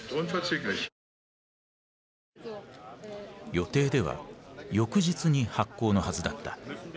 予定では翌日に発行のはずだった。